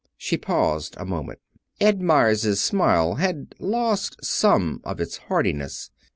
She paused a moment. Ed Meyers's smile had lost some of its heartiness.